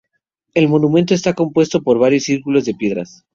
El monumento está compuesto por varios círculos de piedras.